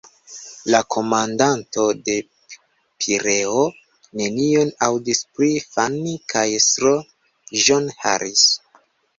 La komandanto de Pireo nenion aŭdis pri Fanni kaj S-ro John Harris.